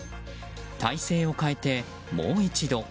体勢を変えて、もう一度。